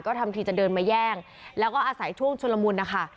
ทำทีจะเดินมาแย่งแล้วก็อาศัยช่วงชุลมุนนะคะ